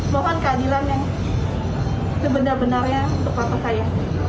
mohon keadilan yang sebenar benarnya untuk mata saya